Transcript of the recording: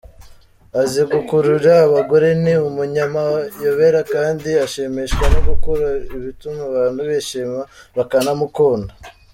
Azi gukurura abagore, ni umunyamayobera kandi ashimishwa no gukora ibituma abantu bishima bakanamukunda.